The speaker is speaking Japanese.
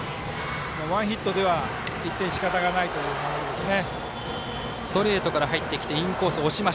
ワンヒットでは１点はしかたないという守り方ですね。